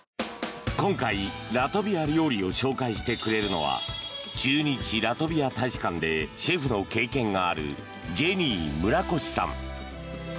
今回、ラトビア料理を紹介してくれるのは駐日ラトビア大使館でシェフの経験があるジェニー村越さん。